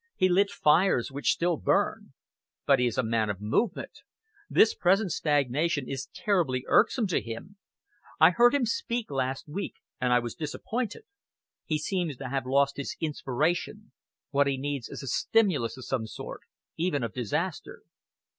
He lit fires which still burn. But he is a man of movement. This present stagnation is terribly irksome to him. I heard him speak last week, and I was disappointed. He seems to have lost his inspiration. What he needs is a stimulus of some sort, even of disaster."